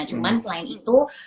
cuman selain itu